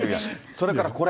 それからこれ。